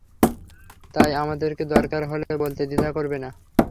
তাই আমাদেরকে দরকার হলে বলতে দ্বিধা করবে না।